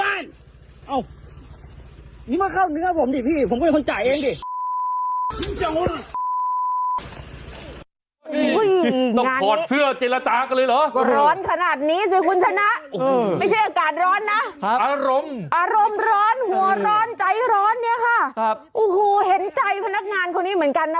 อารมณ์อารมณ์ร้อนหัวร้อนใจร้อนเนี่ยค่ะโอ้โหเห็นใจพนักงานคนนี้เหมือนกันนะ